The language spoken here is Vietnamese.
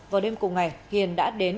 vào đêm cùng ngày hiền đã đến